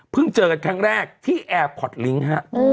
เจอกันครั้งแรกที่แอร์พอร์ตลิงค์ฮะ